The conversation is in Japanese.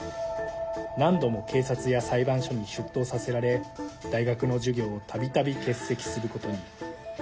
何度も警察や裁判所に出頭させられ大学の授業をたびたび欠席することに。